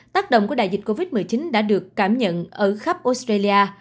tác động của đại dịch covid một mươi chín đã được cảm nhận ở khắp australia